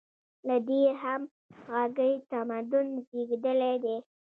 له دې همغږۍ تمدن زېږېدلی دی.